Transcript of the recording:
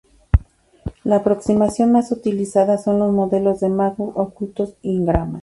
La aproximación más utilizada son los Modelos de Markov Ocultos o n-gramas.